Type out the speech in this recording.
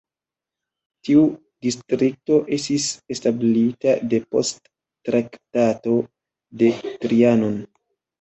Tiu distrikto estis establita depost Traktato de Trianon.